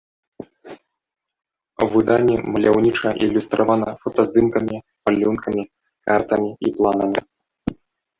Выданне маляўніча ілюстравана фотаздымкамі, малюнкамі, картамі і планамі.